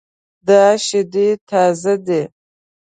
دا شیدې تازه دي